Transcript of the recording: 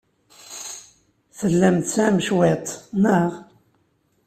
Tellam tesɛam cwiṭ, naɣ?